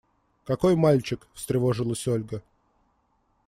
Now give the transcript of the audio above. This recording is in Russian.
– Какой мальчик? – встревожилась Ольга.